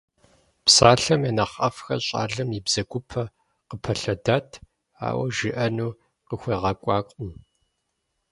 Псалъэм я нэхъ ӀэфӀхэр щӀалэм и бзэгупэ къыпылъэдат, ауэ жиӀэну къыхуегъэкӀуакъым.